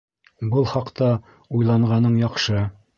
— Был хаҡта уйланғаның яҡшы.